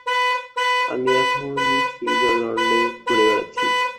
আমি এখন সুইজরলণ্ডে ঘুরে বেড়াচ্ছি।